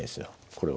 これは。